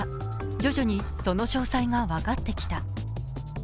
徐々にその詳細が分かってきた。